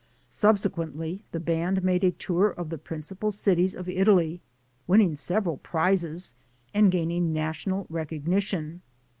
Subsequently, the band made a tour of the principal cities of Italy, winning several prizes and gaining national recognition.